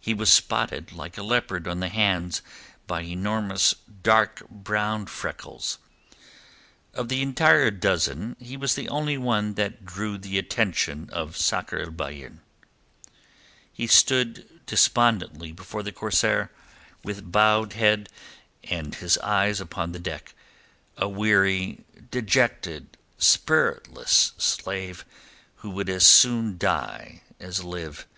He was spotted like a leopard on the hands by enormous dark brown freckles. Of the entire dozen he was the only one that drew the attention of Sakr el Bahr. He stood despondently before the corsair, with bowed head and his eyes upon the deck, a weary, dejected, spiritless slave who would as soon die as live.